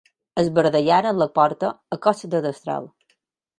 Esbardellaren la porta a cops de destral.